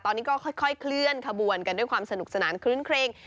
ตอนนี้ก็ค่อยเคลื่อนขบวนกันด้วยความสนุกสนานคลื้นเครง